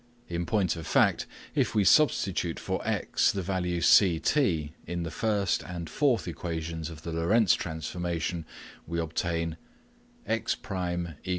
In point of fact, if we substitute for x the value ct in the first and fourth equations of the Lorentz transformation, we obtain: eq.